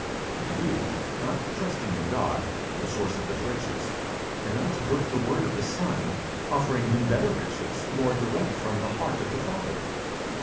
The youth, not trusting in God, the source of his riches, cannot brook the word of his Son, offering him better riches, more direct from the heart of the Father.